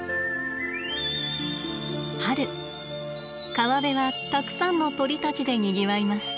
春川辺はたくさんの鳥たちでにぎわいます。